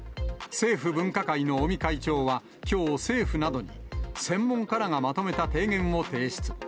政府分科会の尾身会長はきょう、政府などに、専門家らがまとめた提言を提出。